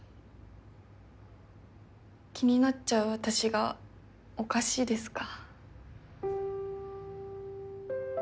気になっちゃう私がおかしいですか？